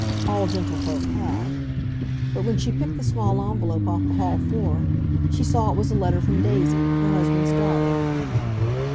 All gentlefolk have. But when she picked the small envelope off the hall floor, she saw it was a letter from Daisy, her husband's daughter.